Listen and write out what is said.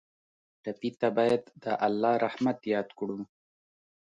ټپي ته باید د الله رحمت یاد کړو.